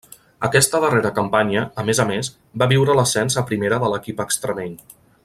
Aquesta darrera campanya, a més a més, va viure l'ascens a Primera de l'equip extremeny.